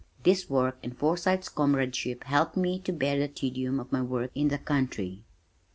This work and Forsythe's comradeship helped me to bear the tedium of my work in the country.